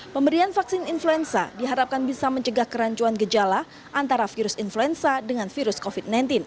pemberian vaksin influenza diharapkan bisa mencegah kerancuan gejala antara virus influenza dengan virus covid sembilan belas